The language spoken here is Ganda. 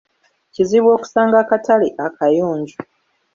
Kizibu okusanga akatale akayonjo.